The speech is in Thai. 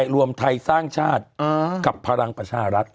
รวมไทยสร้างชาติกับพลังประชารัฐ